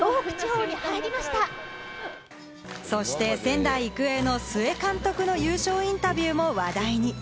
そして仙台育英の須江監督の優勝インタビューも話題に。